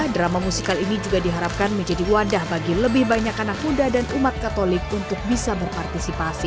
drama musikal ini juga diharapkan menjadi wadah bagi lebih banyak anak muda dan umat katolik untuk bisa berpartisipasi